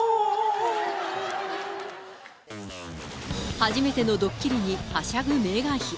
初めてのドッキリに、はしゃぐメーガン妃。